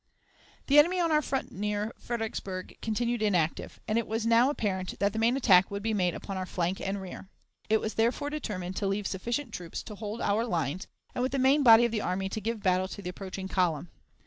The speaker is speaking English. The enemy on our front near Fredericksburg continued inactive, and it was now apparent that the main attack would be made upon our flank and rear. It was therefore determined to leave sufficient troops to hold our lines, and with the main body of the army to give battle to the approaching column.